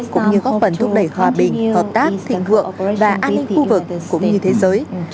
cũng như góp phần thúc đẩy hòa bình hợp tác thịnh vượng và an ninh khu vực cũng như thế giới